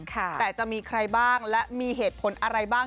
แต่จะมีใครบ้างและมีเหตุผลอะไรบ้าง